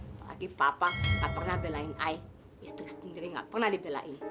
apalagi papa tak pernah belain ai istri sendiri nggak pernah dibelain